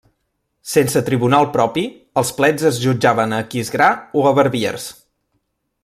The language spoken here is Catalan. Sense tribunal propi, els plets es jutjaven a Aquisgrà o a Verviers.